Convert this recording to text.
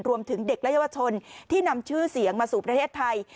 รวมถึงเด็กและเยาวชนที่นำชื่อเสียงมาสู่ประเทศไทย